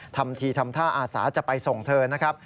ทำทีทำท่าอาสาจะไปส่งเธอนะครับ